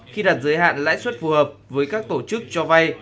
khi đặt giới hạn lãi suất phù hợp với các tổ chức cho vay